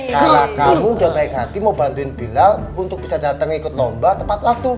kalau kamu udah baik hati mau bantuin binal untuk bisa datang ikut lomba tepat waktu